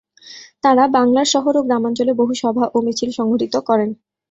তাঁরা বাংলার শহর ও গ্রামাঞ্চলে বহু সভা ও মিছিল সংগঠিত করেন।